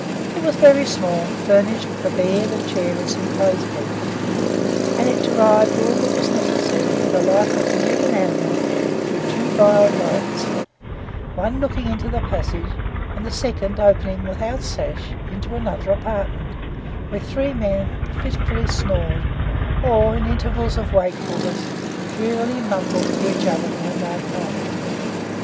It was very small, furnished with a bed, a chair, and some clothes pegs; and it derived all that was necessary for the life of the human animal through two borrowed lights; one looking into the passage, and the second opening, without sash, into another apartment, where three men fitfully snored, or in intervals of wakefulness, drearily mumbled to each other all night long.